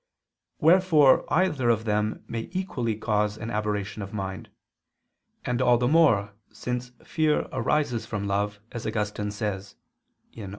Wherefore either of them may equally cause an aberration of mind; and all the more since fear arises from love, as Augustine says (De Civ.